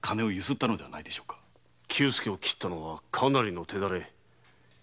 久助を斬ったのはかなりの腕の者。